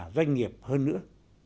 doanh nghiệp hơn nữa